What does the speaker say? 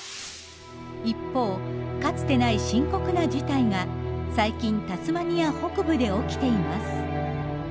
一方かつてない深刻な事態が最近タスマニア北部で起きています。